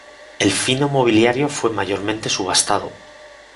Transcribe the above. El fino mobiliario fue mayormente subastado.